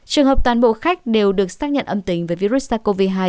trường hợp toàn bộ khách đều được xác nhận âm tính với virus sars cov hai